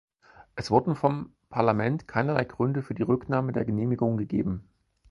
Es wurden vom Parlament keinerlei Gründe für die Rücknahme der Genehmigung gegeben.